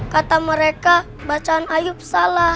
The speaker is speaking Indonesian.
kata mereka bacaan ayub salah